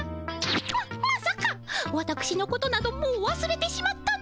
ままさかわたくしのことなどもうわすれてしまったのでは？